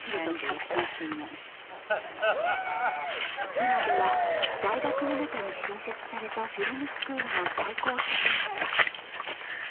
今では大学の中に新設されたフィルムスクールの最高責任者。